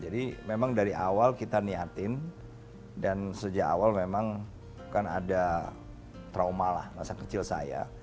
jadi memang dari awal kita niatin dan sejak awal memang kan ada trauma lah masa kecil saya